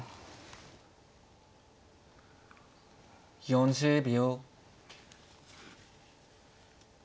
４０秒。